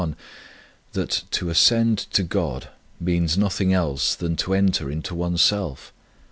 1 that to ascend to God means nothing else than to enter into oneself.